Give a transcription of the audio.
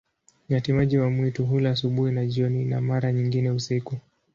Nyati-maji wa mwitu hula asubuhi na jioni, na mara nyingine usiku.